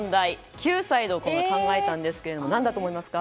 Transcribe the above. ９歳の子が考えたんですけれども何だと思いますか？